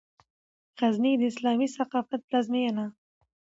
غزني د اسلامي ثقافت پلازمېنه